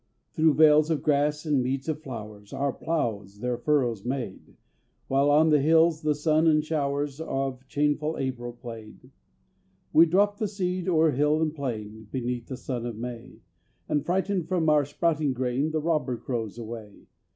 Through vales of grass and meads of flowers, Our ploughs their furrows made, While on the hills the sun and showers Of changeful April played. We dropped the seed o'er hill and plain, Beneath the sun of May, And frightened from our sprouting grain The robber crows away.